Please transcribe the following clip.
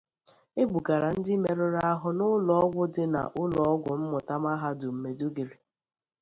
E bugara ndị merụrụ arụ n’ụlọ ọgwụ dị na Ụlọ ọgwụ mmụta Mahadum Maiduguri.